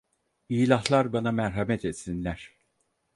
İlahlar bana merhamet etsinler…